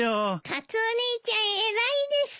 カツオ兄ちゃん偉いです。